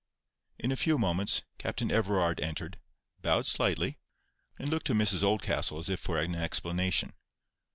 In a few moments, Captain Everard entered, bowed slightly, and looked to Mrs Oldcastle as if for an explanation.